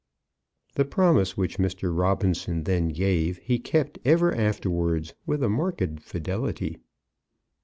The promise which Mr. Robinson then gave he kept ever afterwards with a marked fidelity.